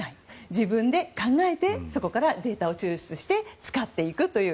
自分で考えてそこからデータを抽出して使っていくという。